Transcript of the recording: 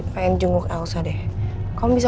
pengen jenguk elsa deh kamu bisa